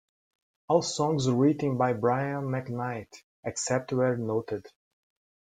All songs written by Brian McKnight, except where noted.